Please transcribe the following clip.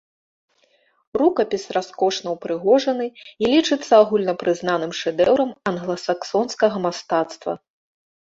Рукапіс раскошна ўпрыгожаны і лічыцца агульнапрызнаным шэдэўрам англасаксонскага мастацтва.